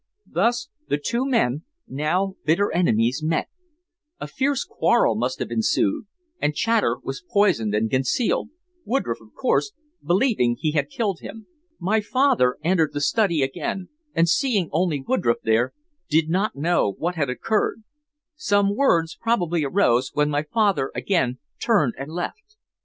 Thus the two men, now bitter enemies, met. A fierce quarrel must have ensued, and Chater was poisoned and concealed, Woodroffe, of course, believing he had killed him. My father entered the study again, and seeing only Woodroffe there, did not know what had occurred. Some words probably arose, when my father again turned and left.